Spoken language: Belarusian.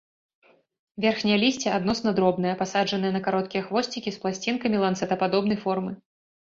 Верхняе лісце адносна дробнае, пасаджанае на кароткія хвосцікі, з пласцінкамі ланцэтападобнай формы.